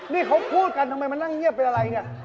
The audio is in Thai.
นี่เขาพูดกันทำไมมานั่งเงียบเป็นอะไรเนี่ย